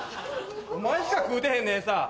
お前しか食うてへんねん餌。